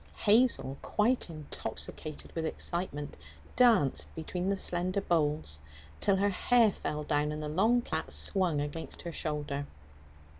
Hazel, quite intoxicated with excitement, danced between the slender boles till her hair fell down and the long plait swung against her shoulder.